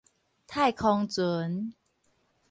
太空船